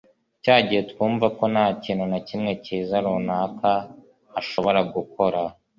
cya gihe twumvako nta kintu na kimwe kiza runaka ashobora gukora